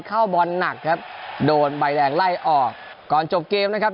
เข้าบอลหนักครับโดนใบแดงไล่ออกก่อนจบเกมนะครับ